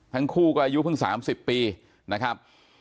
ทั้งคู่ก็อายุเพิ่ง๓๐ปีนะครับ